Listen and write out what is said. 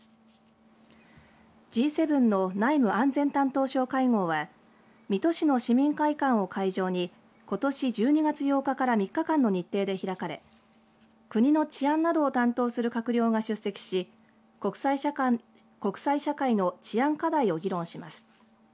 Ｇ７の内務・安全担当相会合は水戸市の市民会館を会場にことし１２月８日から３日間の日程で開かれ国の治安などを担当する閣僚が出席し国際社会の治安課題を議論します。